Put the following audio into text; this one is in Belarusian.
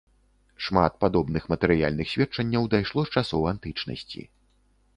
Шмат падобных матэрыяльных сведчанняў дайшло з часоў антычнасці.